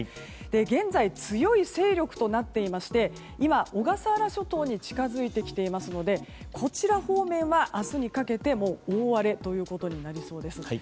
現在強い勢力となっていまして今、小笠原諸島に近づいてきていますのでこちら方面は明日にかけても大荒れという状況になりそうです。